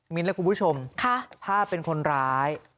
มิ้นและคุณผู้ชมถ้าเป็นคนร้าย